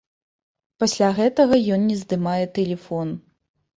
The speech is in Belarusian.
Пасля гэтага ён не здымае тэлефон.